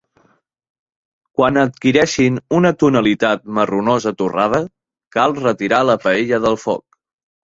Quan adquireixin una tonalitat marronosa torrada, cal retirar la paella del foc.